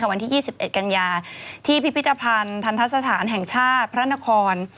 วันที่๒๑กังยาที่พิพิจภัณฑ์ธรรมศาสตร์แห่งชาติพระนคร